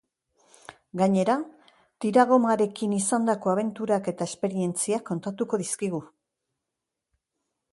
Gainera, tiragomarekin izandako abenturak eta esperientziak kontatuko dizkigu.